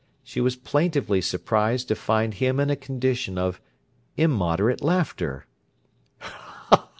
She was plaintively surprised to find him in a condition of immoderate laughter.